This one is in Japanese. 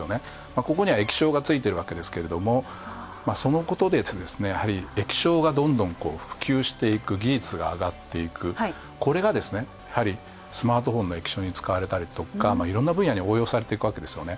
ここには液晶がついているわけですけれども、そのことで、やはり液晶がどんどん普及していく、技術が上がっていく、これがスマートフォンの液晶に使われたりとか、いろんな分野に応用されていくわけですよね。